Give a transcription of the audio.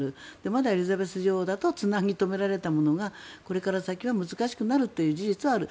まだエリザベス女王だとつなぎ留められたものがこれから先は難しくなるという事実はある。